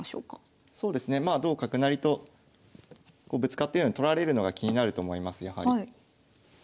そうですねまあ同角成とこうぶつかってるので取られるのが気になると思いますやはり。